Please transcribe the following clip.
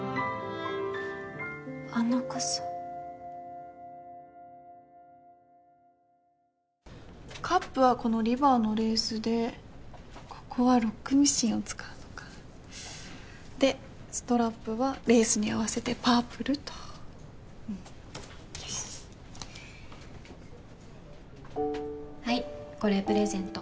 あの傘カップはこのリバーのレースでここはロックミシンを使うのかでストラップはレースに合わせてパープルとうんよしはいこれプレゼント